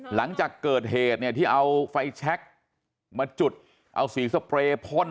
หลังจากเกิดเหตุเนี่ยที่เอาไฟแชคมาจุดเอาสีสเปรย์พ่น